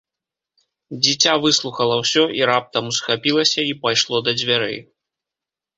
Дзіця выслухала ўсё і раптам усхапілася і пайшло да дзвярэй.